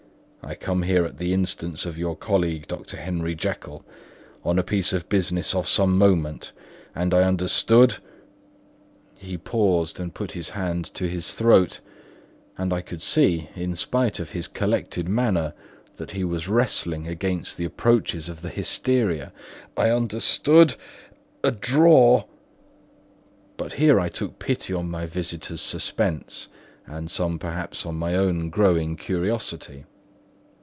I come here at the instance of your colleague, Dr. Henry Jekyll, on a piece of business of some moment; and I understood..." He paused and put his hand to his throat, and I could see, in spite of his collected manner, that he was wrestling against the approaches of the hysteria—"I understood, a drawer..." But here I took pity on my visitor's suspense, and some perhaps on my own growing curiosity.